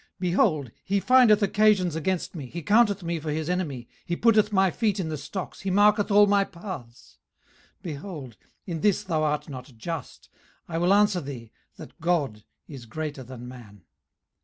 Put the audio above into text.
18:033:010 Behold, he findeth occasions against me, he counteth me for his enemy, 18:033:011 He putteth my feet in the stocks, he marketh all my paths. 18:033:012 Behold, in this thou art not just: I will answer thee, that God is greater than man.